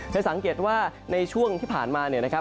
เธอสังเกตว่าในช่วงที่ผ่านมานะครับ